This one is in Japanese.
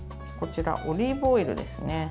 オリーブオイルですね。